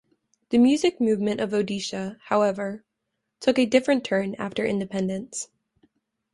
The music movement of Odisha, however, took a different turn after independence.